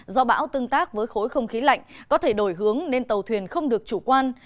do bão tương tác với khối không khí lạnh có thể đổi hướng nên tàu thuyền không được chủ quan